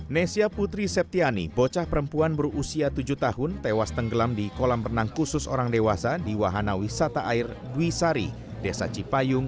nesia putri septiani bocah perempuan berusia tujuh tahun tewas tenggelam di kolam renang khusus orang dewasa di wahana wisata air dwi sari desa cipayung